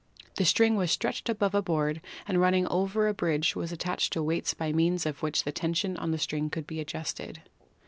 The string was stretched above a board, and run ning over a bridge was attached to weights by means of which the tension on the string could be adjusted.